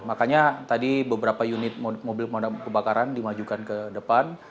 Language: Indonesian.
makanya tadi beberapa unit mobil pemadam kebakaran dimajukan ke depan